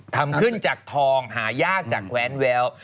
ทำขึ้นจากทองหายากจากแว้นแวว